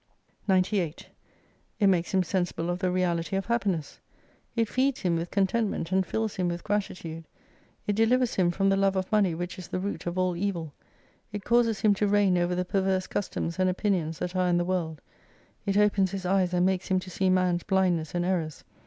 98 It makes him sensible of the reality of Happiness : it feeds him with contentment, and fills him with grati tude, it delivers him from the love of money which is the root of all evil, it causes him to reign over the perverse customs and opinions that are in the world : it opens his eyes, and makes him to see man's blind ness and errors.